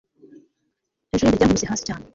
ejo bundi ryankubise hasi cyane